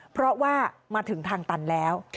เพราะว่ามาถึงทางตันแล้ว